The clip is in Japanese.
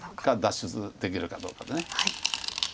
か脱出できるかどうかだ。